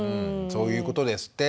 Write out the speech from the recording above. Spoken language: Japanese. そういうことですって。